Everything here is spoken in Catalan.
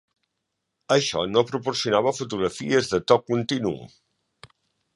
Això no proporcionava fotografies de to continu.